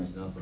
ini untukmu